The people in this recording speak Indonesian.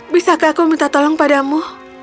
bisakah aku minta tolong padamu